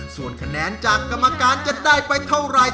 ส่วนคะแนนจากกรรมการจะได้ไปเท่าไหร่